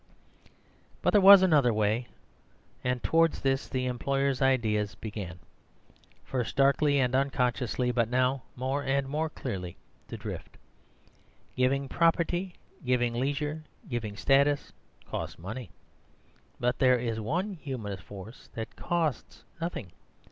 But there was another way. And towards this the employer's ideas began, first darkly and unconsciously, but now more and more clearly, to drift. Giving property, giving leisure, giving status costs money. But there is one human force that costs nothing.